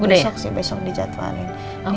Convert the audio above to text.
besok sih besok di jadwain